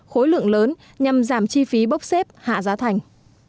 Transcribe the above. khối lượng lớn nhằm giảm chi phí bốc xếp hạ giá thành